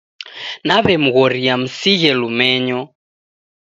Nawemghoria msighe lumenyo.